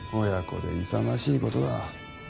親子で勇ましいことだ。